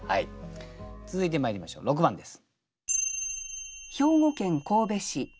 続いてまいりましょう６番です。